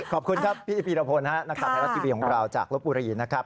ขอบคุณครับพี่ปีรพลธรรมดีพีชของเราจากลบบุรีนะครับ